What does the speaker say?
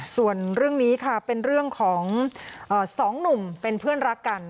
ส่วนเรื่องนี้ค่ะเป็นเรื่องของสองหนุ่มเป็นเพื่อนรักกัน